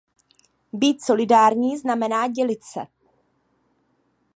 Být solidární znamená dělit se.